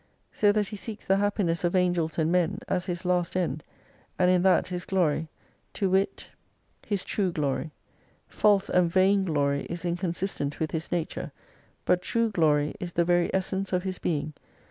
So that He seeks the happiness of Angels and Men as His last end, and in that His glory : to wit, His true 285 glory. False and vain glory is inconsistent with His nature, but true glory is the very essence of His being.